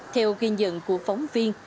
theo ghi nhận của phóng viên